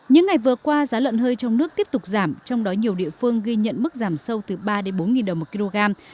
những ngày vừa qua giá lợn hơi trong nước tiếp tục giảm trong đó nhiều địa phương ghi nhận mức giảm sâu từ ba bốn đồng một kg